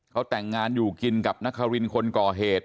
เขาแต่งงานอยู่กินกับนครินคนก่อเหตุ